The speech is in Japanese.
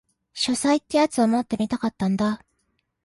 書斎ってやつを持ってみたかったんだ